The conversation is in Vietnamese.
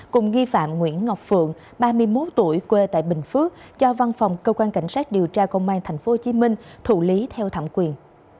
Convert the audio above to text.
cùng nghi phạm nguyễn ngọc phượng ba mươi một tuổi quê tại bình phước cho văn phòng cơ quan cảnh sát điều tra công an tp hcm thủ lý theo thẩm quyền